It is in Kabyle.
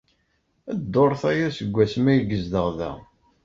Dduṛt aya seg wasmi ay yezdeɣ da.